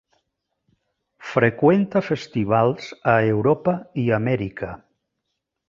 Freqüenta festivals a Europa i Amèrica.